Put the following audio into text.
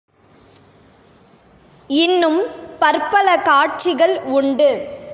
இன்னும் பற்பல காட்சிகள் உண்டு.